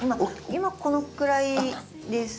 今このくらいです。